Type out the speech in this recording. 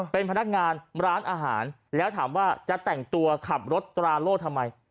เป็นพนักงานร้านอาหารแล้วถามว่าจะแต่งตัวขับรถตราโล่ทำไม